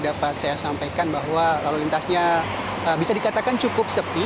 dapat saya sampaikan bahwa lalu lintasnya bisa dikatakan cukup sepi